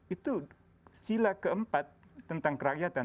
itu sila keempat tentang kerakyatan